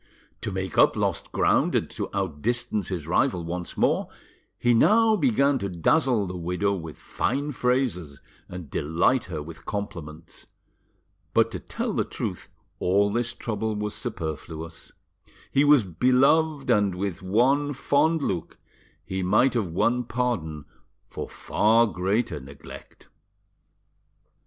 To make up lost ground and to outdistance his rival once more, he now began to dazzle the widow with fine phrases and delight her with compliments; but to tell the truth all this trouble was superfluous; he was beloved, and with one fond look he might have won pardon for far greater neglect.